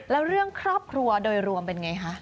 แล้วเรื่องครอบครัวโดยรวมเป็นไงคะ